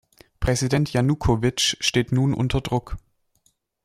Präsident Janukowitsch steht nun unter Druck.